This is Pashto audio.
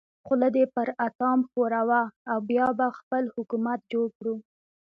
خوله دې پر اتام ښوروه او بیا به خپل حکومت جوړ کړو.